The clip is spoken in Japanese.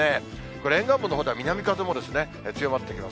これ、沿岸部のほうでは南風も強まってきます。